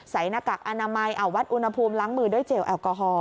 หน้ากากอนามัยเอาวัดอุณหภูมิล้างมือด้วยเจลแอลกอฮอล